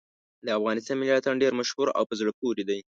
د افغانستان ملي اتڼ ډېر مشهور او په زړه پورې دی.